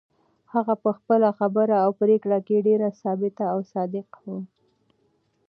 هغه په خپله خبره او پرېکړه کې ډېره ثابته او صادقه وه.